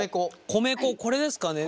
米粉これですかね？